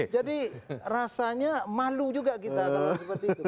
jadi rasanya malu juga kita kalau seperti itu